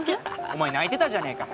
お前泣いてたじゃねえか。